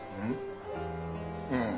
うん？